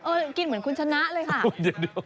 กินเหมือนคุณชนะเลยค่ะ